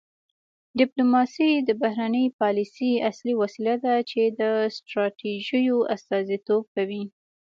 ډیپلوماسي د بهرنۍ پالیسۍ اصلي وسیله ده چې ستراتیژیو استازیتوب کوي